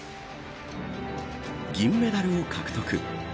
銀メダルを獲得。